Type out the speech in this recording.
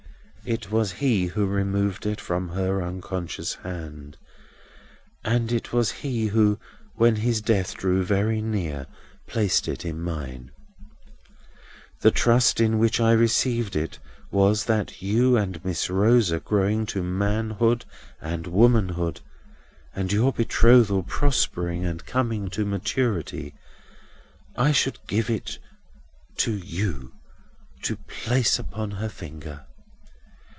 It was he who removed it from her unconscious hand, and it was he who, when his death drew very near, placed it in mine. The trust in which I received it, was, that, you and Miss Rosa growing to manhood and womanhood, and your betrothal prospering and coming to maturity, I should give it to you to place upon her finger.